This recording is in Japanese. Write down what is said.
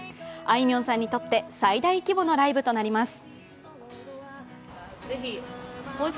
あいみょんさんにとって最大規模のライブとなります。